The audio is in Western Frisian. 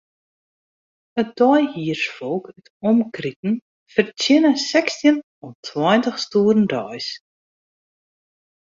It deihiersfolk út 'e omkriten fertsjinne sechstjin oant tweintich stoeren deis.